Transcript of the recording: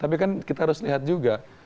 tapi kan kita harus lihat juga